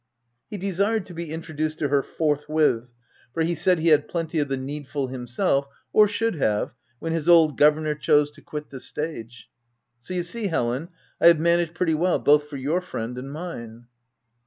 He desired to be introduced to her forthwith, OF WILDFELL HALL. 109 for he said he had plenty of the needful him self—or should have, when his old governor chose to quit the stage. So you see, Helen, I have managed pretty well, both for your friend and mine."